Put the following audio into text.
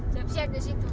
siap siap di situ